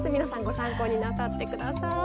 ご参考になさって下さい。